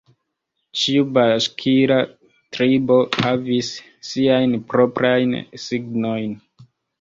Ĉiu baŝkira tribo havis siajn proprajn signojn.